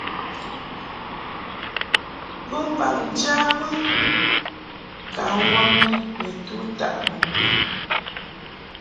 Bɨmbaŋ njamɨ ka nwaŋni nitu taʼ mɨŋgwi.